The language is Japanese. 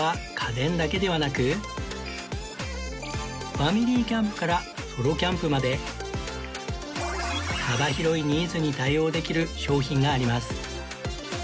ファミリーキャンプからソロキャンプまで幅広いニーズに対応できる商品があります